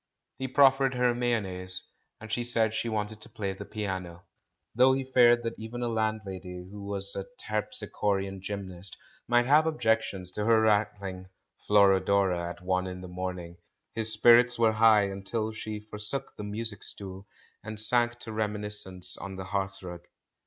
He proffered her mayonnaise, and she said she wanted to play the piano. Though he feared that even a landlady who was a terpsichorean gym nast might have objections to her rattling "Flor odora" at one in the morning, his spirits were high until she forsook the music stool and sank to reminiscence on the hearthrug.